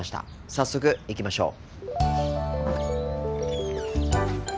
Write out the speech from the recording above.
早速行きましょう。